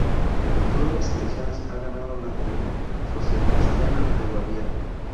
En todas las elecciones ha ganado la Unión Socialcristiana de Baviera.